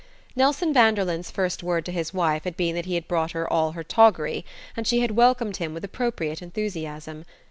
Nelson Vanderlyn's first word to his wife had been that he had brought her all her toggery; and she had welcomed him with appropriate enthusiasm.